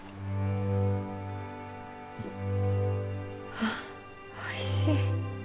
はあおいしい。